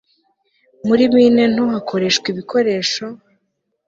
Muri mine nto hakoreshwa ibikoresho